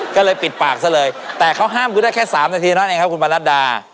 ก็เลยปิดปากซะเลยแต่เขาห้ามกูได้แค่๓นาทีเท่านั้นเองครับคุณประนัดดา